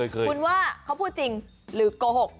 คุณว่าเขาพูดจริงหรือโกหก